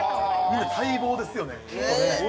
◆みんな待望ですよね。